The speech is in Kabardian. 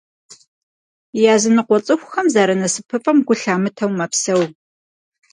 Языныкъуэ цӏыхухэм зэрынасыпыфӏэм гу лъамытэу мэпсэу.